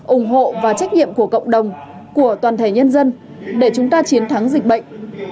ủng hộ và trách nhiệm của cộng đồng của toàn thể nhân dân để chúng ta chiến thắng dịch bệnh